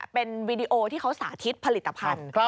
เป็นวีดีโอที่เขาสาธิตผลิตภัณฑ์